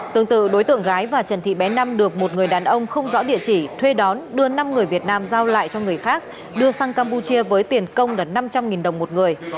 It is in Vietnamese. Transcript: tương tự đối tượng gái và trần thị bé năm được một người đàn ông không rõ địa chỉ thuê đón đưa năm người việt nam giao lại cho người khác đưa sang campuchia với tiền công là năm trăm linh đồng một người